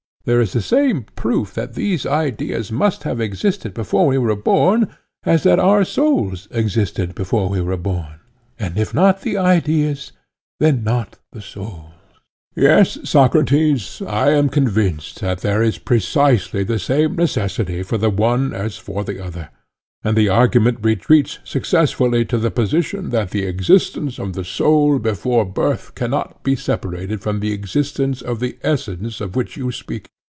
There is the same proof that these ideas must have existed before we were born, as that our souls existed before we were born; and if not the ideas, then not the souls. Yes, Socrates; I am convinced that there is precisely the same necessity for the one as for the other; and the argument retreats successfully to the position that the existence of the soul before birth cannot be separated from the existence of the essence of which you speak.